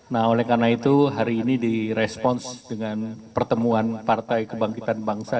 nah oleh karena itu hari ini direspons dengan pertemuan partai kebangkitan bangsa